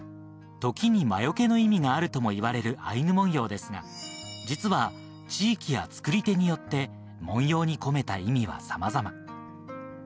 時に魔除けの意味があるともいわれるアイヌ文様ですが、実は地域や作り手によって文様に込めた意味はさまざま。